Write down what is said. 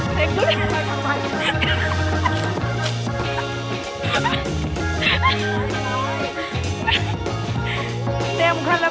เดี๋ยวคุณแม่กลับมา